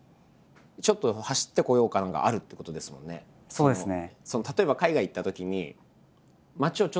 そうですね。